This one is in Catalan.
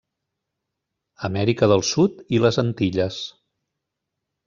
Amèrica del Sud i les Antilles.